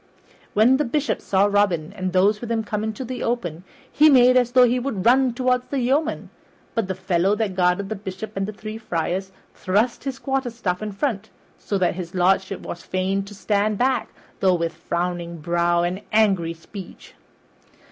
When the Bishop saw Robin and those with him come into the open he made as though he would have run toward the yeoman, but the fellow that guarded the Bishop and the three friars thrust his quarterstaff in front, so that his lordship was fain to stand back, though with frowning brow and angry speech.